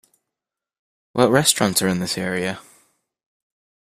What restaurants are in this area?